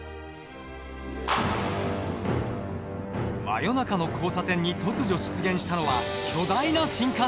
真夜中の交差点に突如出現したのは巨大な新幹線。